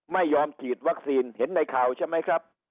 ไม่ยอมฉีดวัคซีนเห็นในข่าวใช่ไหมครับ